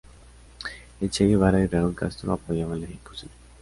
El Che Guevara y Raúl Castro apoyaban la ejecución.